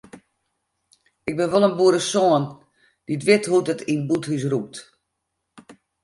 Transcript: Ik bin wol in boeresoan dy't wit hoe't in bûthús rûkt.